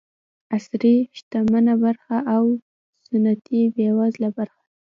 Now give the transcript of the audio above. عصري شتمنه برخه او سنتي بېوزله برخه.